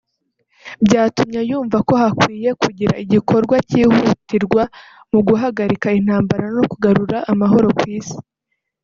byatumye yumva ko hakwiye kugira igikorwa cyihutirwa mu guhagarika intambara no kugarura amahoro ku isi